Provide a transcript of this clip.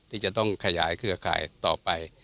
ที่จะต้องขยายเครือข่ายต่อไป